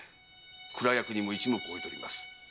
蔵役人も一目置いています。